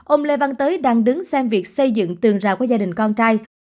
ông lê văn tới đang đứng xem việc xây dựng tường rào của gia đình con trai